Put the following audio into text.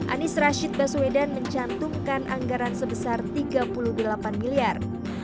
anies rashid baswedan mencantumkan anggaran sebesar rp tiga puluh delapan miliar